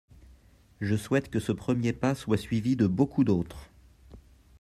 Je souhaite que ce premier pas soit suivi de beaucoup d’autres.